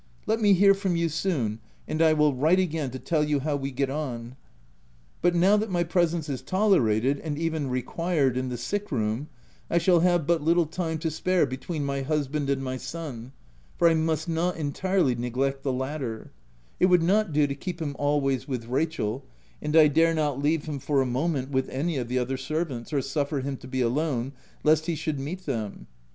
Let me hear from you soon, and I will write again to tell you how we get on ; but 212 THE TENANT now that my presence is tolerated — and even required in the sick room, I shall have but little time to spare between my husband and my son, — for I must not entirely neglect the latter: it would not do to keep him always with Rachel, and I dare not leave him for a moment with any of the other servants, or suffer him to be alone, lest he should meet them.